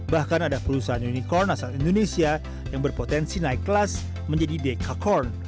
bahkan ada perusahaan unicorn asal indonesia yang berpotensi naik kelas menjadi dekakorn